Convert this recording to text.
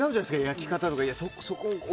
焼き方とか。